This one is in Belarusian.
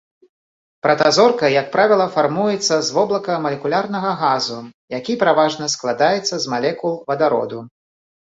Пратазорка, як правіла, фармуецца з воблака малекулярнага газу, які пераважна складаецца з малекул вадароду.